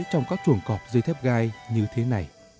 trong các trường cọp dưới thép gai như thế này